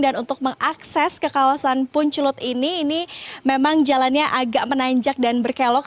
dan untuk mengakses ke kawasan puncelut ini memang jalannya agak menanjak dan berkelok